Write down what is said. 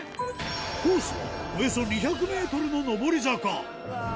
コースはおよそ２００メートルの上り坂。